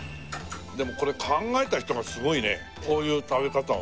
でもこれ考えた人がすごいねこういう食べ方をね。